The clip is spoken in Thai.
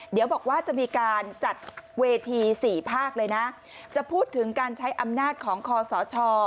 เดี๋ยวบอกว่าจะมีการจัดเวทีสี่ภาคเลยนะจะพูดถึงการใช้อำนาจของคอสช